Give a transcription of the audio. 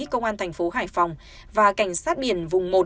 công an thành phố hải phòng và cảnh sát biển vùng một